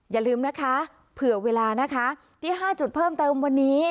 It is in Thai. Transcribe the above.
อย่าลืมนะคะเผื่อเวลานะคะที่๕จุดเพิ่มเติมวันนี้